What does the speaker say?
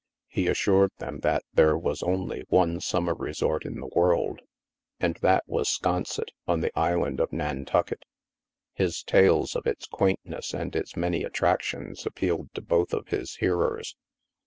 He assured them that there was only one summer resort in the world, and that was Scon set, on the island of Nantucket. His tales of its quaintness and its many attrac tions appealed to both of his hearers.